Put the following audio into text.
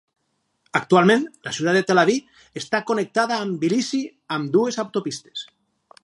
Actualment, la ciutat de Telavi està connectada amb Tbilisi amb dues autopistes.